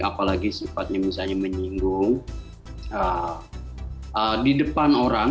apalagi sifatnya misalnya menyinggung di depan orang